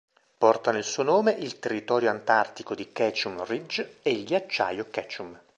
Portano il suo nome il territorio antartico di Ketchum Ridge e il Ghiacciaio Ketchum.